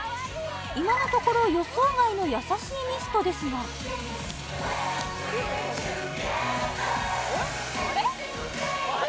今のところ予想外の優しいミストですがあれ？